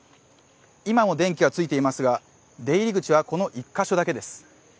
今も電気はついていますが出入り口は、この１か所だけです。